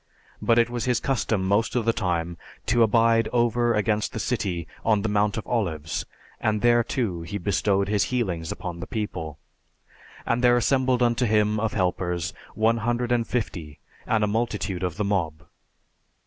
But it was his custom most of the time to abide over against the city on the Mount of Olives, and there, too, he bestowed his healings upon the people. And there assembled unto him of helpers one hundred and fifty, and a multitude of the mob.